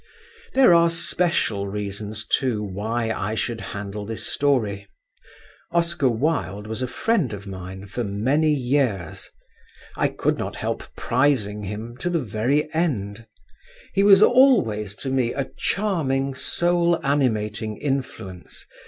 There are special reasons, too, why I should handle this story. Oscar Wilde was a friend of mine for many years: I could not help prizing him to the very end: he was always to me a charming, soul animating influence.